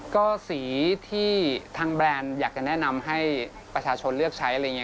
ก็สีที่ทางแบรนด์อยากจะแนะนำให้ประชาชนเลือกใช้